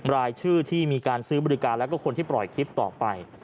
รายชื่อที่มีการซื้อบริการแล้วก็คนที่ปล่อยคลิปต่อไป